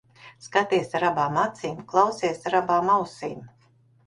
Skaties ar abām acīm, klausies ar abām ausīm.